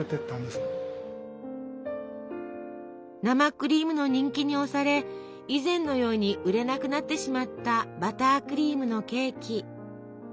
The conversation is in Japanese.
生クリームの人気に押され以前のように売れなくなってしまったバタークリームのケーキ。